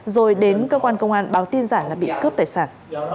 rồi đến cơ quan công an báo tin giả là bị cướp tài sản